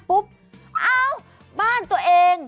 ปุ๊บเอ้าบ้านตัวเอง